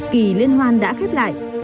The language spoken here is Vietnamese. kỳ liên hoan đã khép lại